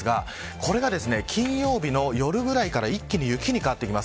これが金曜日の夜ごろから一気に雪に変わります。